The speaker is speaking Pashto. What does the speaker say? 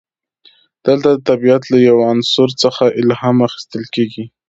دلته د طبیعت له یو عنصر څخه الهام اخیستل کیږي.